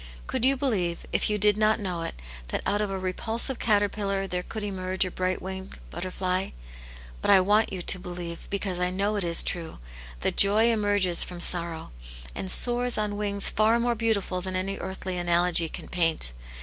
Could you believe, if you did not know it, that out of a repulsive caterpillar there could emerge a bright winged butterfly J B\itlN\^tvV70M\.^\i€CviN^^ Aunt Jane's Hero. 149 because I know it is true, that joy emerges from sorrow, and soars on wings far more beautiful than any earthly analogy can paint.